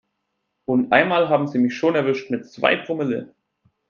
Und einmal haben sie mich schon erwischt mit zwei Promille.